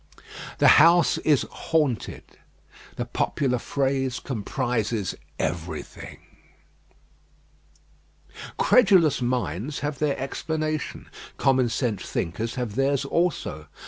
The house is "haunted;" the popular phrase comprises everything. Credulous minds have their explanation; common sense thinkers have theirs also.